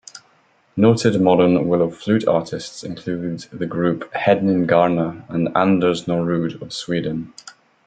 Noted modern willow flute artists include the group Hedningarna and Anders Norudde of Sweden.